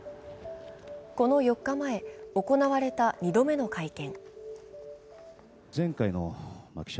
この４日前、行われた２度目の会見。